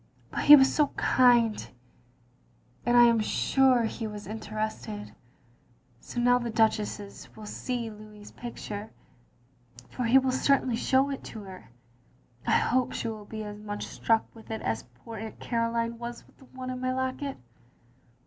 But he was so kind, and I am sure he was interested. So now the Duchess will see Louis's photo, for he will certainly show it to her. I hope she will be as much struck with it as poor Aunt Caroline was with the one in my locket.